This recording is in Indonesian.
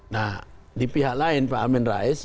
nah di pihak lain pak amin rais